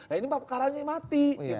ya ini mah pekaranya mati